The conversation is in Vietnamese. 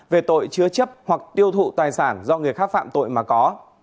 về tội chứa chấp hoặc tiêu thụ tài sản do người khác phạm tội mà có